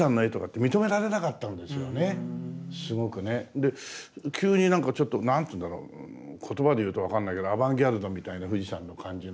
で急になんかちょっと何ていうんだろう言葉で言うと分かんないけどアバンギャルドみたいな富士山の感じの。